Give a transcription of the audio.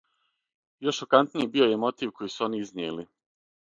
Још шокантнији био је мотив који су они изнијели.